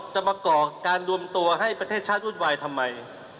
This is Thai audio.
มาก่อการรวมตัวให้ประเทศชาติวุ่นวายทำไม